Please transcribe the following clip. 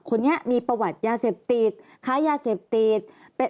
คนนี้มีประวัติยาเสพติดค้ายาเสพติด